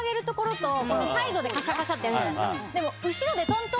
カシャカシャってやるじゃないですか。